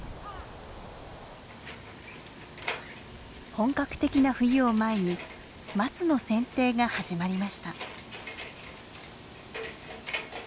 本格的な冬を前に松の剪定が始まりました。